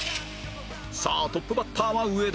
さあトップバッターは上田